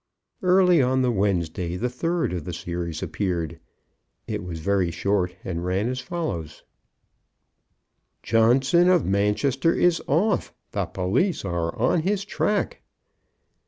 Early on the Wednesday, the third of the series appeared. It was very short, and ran as follows: Johnson of Manchester is off! The police are on his track!